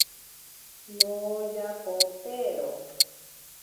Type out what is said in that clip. Noyakotero.